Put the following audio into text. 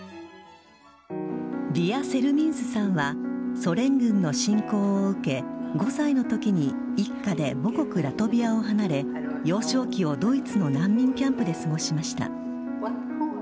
ヴィヤ・セルミンスさんは、ソ連軍の侵攻を受け、５歳のときに一家で母国ラトビアを離れ、幼少期をドイツの難民キャンプで過ごしました。